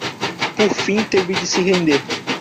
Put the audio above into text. Por fim, teve de se render